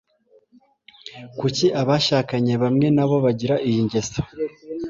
Kuki abashakanye bamwe nabo bagira iyi ngeso